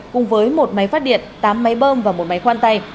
cùng với một máy phát điện tám máy bơm và một máy khoan tay